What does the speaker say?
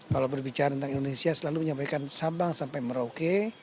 kalau berbicara tentang indonesia selalu menyampaikan sabang sampai merauke